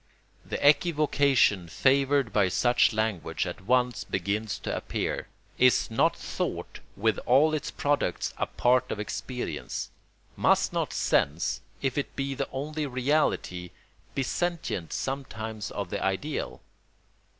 ] The equivocation favoured by such language at once begins to appear. Is not thought with all its products a part of experience? Must not sense, if it be the only reality, be sentient sometimes of the ideal?